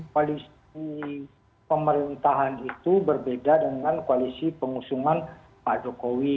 koalisi pemerintahan itu berbeda dengan koalisi pengusungan pak jokowi